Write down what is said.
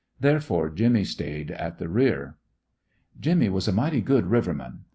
Therefore Jimmy stayed at the rear. Jimmy was a mighty good riverman.